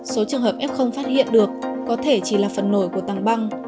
số trường hợp f phát hiện được có thể chỉ là phần nổi của tầng băng